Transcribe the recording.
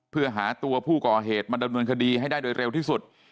เพื่อหาตัวผู้ก่อเหตุมาดำเนินคดีให้ได้โดยเร็วที่สุด